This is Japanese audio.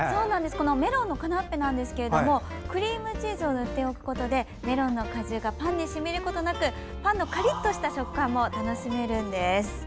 メロンのカナッペですがクリームチーズを塗っておくことでメロンの果汁がパンに染みることなくパンのカリッとした食感も楽しめるんです。